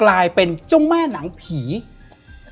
และยินดีต้อนรับทุกท่านเข้าสู่เดือนพฤษภาคมครับ